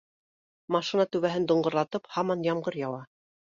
Машина түбәһен доңғорлатып һаман ямғыр яуа